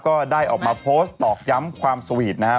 ก็ได้ออกมาโพสต์ตอกย้ำความสวีทนะครับ